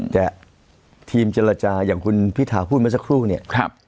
แต่ทีมเจรจาอย่างคุณพิธาพูดเมื่อสักครู่เนี่ย